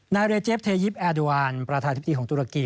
นายเรเจฟเทยิปแอดวานประธานธิบดีของตุรกี